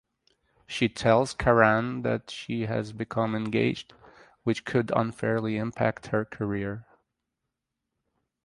She tells Karan that she has become engaged which could unfairly impact her career.